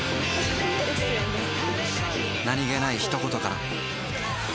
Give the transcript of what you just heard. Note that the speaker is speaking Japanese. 何気ない一言から